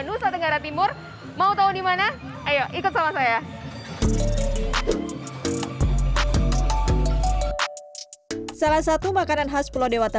nusa tenggara timur mau tahu dimana ayo ikut sama saya salah satu makanan khas pulau dewata